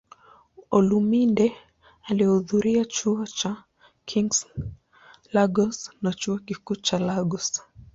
Olumide alihudhuria Chuo cha King, Lagos na Chuo Kikuu cha Lagos.